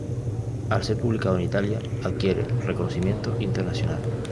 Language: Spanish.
Al ser publicado en Italia, adquiere reconocimiento internacional.